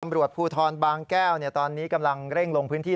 ตำรวจภูทรบางแก้วตอนนี้กำลังเร่งลงพื้นที่